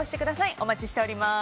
お待ちしております。